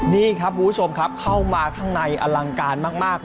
นี่ครับคุณผู้ชมครับเข้ามาข้างในอลังการมาก